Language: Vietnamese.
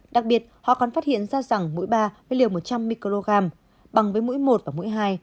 đặc biệt họ còn phát hiện ra rằng mũi ba với liều một trăm linh microgram bằng với mũi một và mũi hai